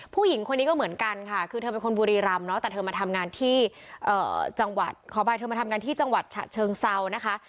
ผู้หญิงคนนี้ก็เหมือนกันค่ะคือเธอเป็นคนบุรีรำเนาะแต่เธอมาทำงานที่จังหวัดขออภัยเธอมาทำงานที่จังหวัดฉะเชิงเซานะคะ